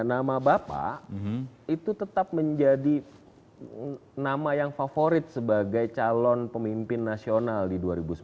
nama bapak itu tetap menjadi nama yang favorit sebagai calon pemimpin nasional di dua ribu sembilan belas